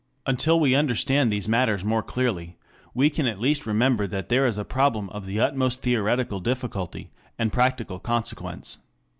Until we understand these matters more clearly, we can at least remember that there is a problem of the utmost theoretical difficulty and practical consequence.